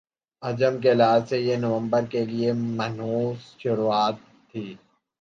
حجم کے لحاظ سے یہ نومبر کے لیے منحوس شروعات تھِی